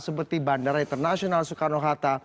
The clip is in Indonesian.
seperti bandara internasional soekarno hatta